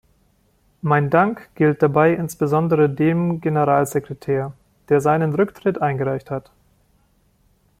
Mein Dank gilt dabei insbesondere dem Generalsekretär, der seinen Rücktritt eingereicht hat.